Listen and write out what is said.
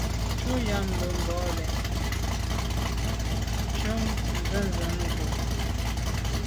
Shutnyàm be bole, ntshob nzenze ndù.